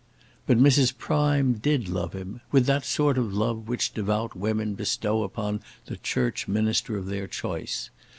But Mrs. Prime did love him, with that sort of love which devout women bestow upon the church minister of their choice.